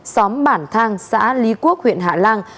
xóm bản thang xã lý quốc huyện hạ lan